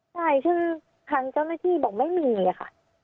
ใช่คือทางเจ้าหน้าที่บอกไม่มีเลยค่ะ